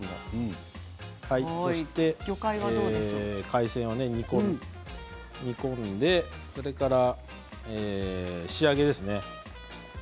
海鮮を煮込んで仕上げですね。